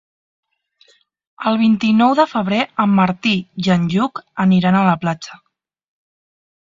El vint-i-nou de febrer en Martí i en Lluc aniran a la platja.